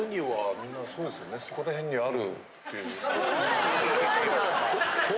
そこら辺にある？